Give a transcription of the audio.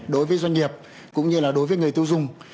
đối với doanh nghiệp cũng như là đối với người tiêu dùng